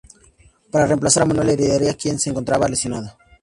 Para reemplazar a Manuel Heredia quien se encontraba lesionado.